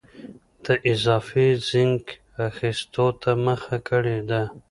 د اضافي زېنک اخیستو ته مخه کړې ده.